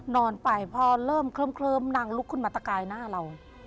นอนไปพอเริ่มเคลิ้มนางลุกขึ้นมาตะกายหน้าเรา